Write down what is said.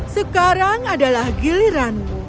sekarang adalah giliranmu